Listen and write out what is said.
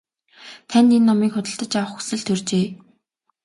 Танд энэ номыг худалдаж авах хүсэл төржээ.